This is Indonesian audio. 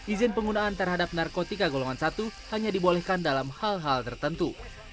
izin penggunaan terhadap narkotika golongan satu hanya dibolehkan dalam hal hal tertentu